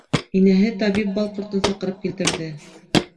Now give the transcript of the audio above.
Инәһе табип Бал ҡортон саҡырып килтерҙе.